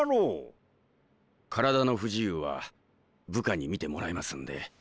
体の不自由は部下にみてもらいますんで。